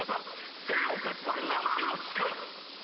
生を勝ち取る生身の力！